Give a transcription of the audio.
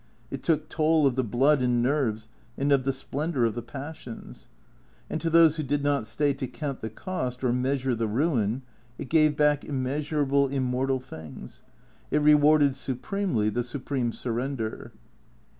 It took toll of the blood and nerves and of the splendour of the passions. And to those who did not stay to count the cost or measure the ruin, it gave back immeasurable, immortal things. It rewarded supremely the supreme surrender.